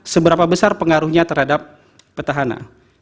seberapa besar pengaruhnya terhadap petahana